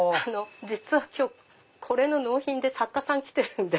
実は今日これの納品で作家さん来てるんで。